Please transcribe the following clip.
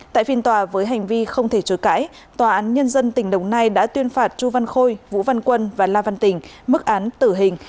tại phiên tòa với hành vi không thể chối cãi tòa án nhân dân tỉnh đồng nai đã tuyên phạt chu văn khôi vũ văn quân và la văn tình mức án tử hình